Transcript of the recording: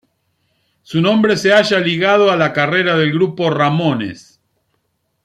Su nombre se halla ligado a la carrera del grupo "Ramones".